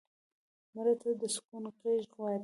مړه ته د سکون غېږ غواړو